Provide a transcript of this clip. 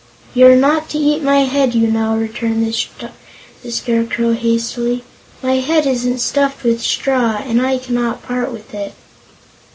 "You're not to eat my head, you know," returned the Scarecrow hastily. "My head isn't stuffed with straw and I cannot part with it.